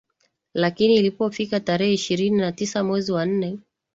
lakini ilipofika tarehe ishirini na tisa mwezi wa nne